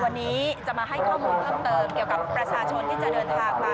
วันนี้จะมาให้ข้อมูลเพิ่มเติมเกี่ยวกับประชาชนที่จะเดินทางมา